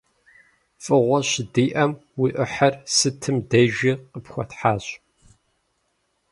ФӀыгъуэ щыдиӀэм, уи Ӏыхьэр сытым дежи къыпхуэтхьащ.